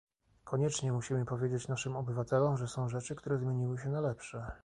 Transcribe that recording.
Koniecznie musimy powiedzieć naszym obywatelom, że są rzeczy, które zmieniły się na lepsze